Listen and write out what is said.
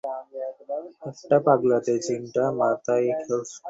একটা পাগলাটে চিন্তা মাথায় খেলছে।